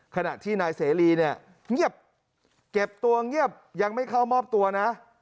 ขณะที่นายเสรีเนี่ยเงียบเก็บตัวเงียบยังไม่เข้ามอบตัวนะ